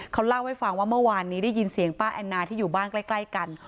เขาเล่าให้ฟังว่าเมื่อวานนี้ได้ยินเสียงป้าแอนนาที่อยู่บ้านใกล้กัน